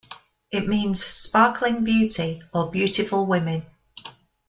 It means "sparkling beauty" or "beautiful women".